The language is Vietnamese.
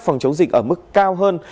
phòng chống dịch ở mức cao hơn